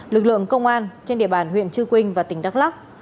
lực lượng công an trên địa bàn huyện chư quynh và tỉnh đắk lắc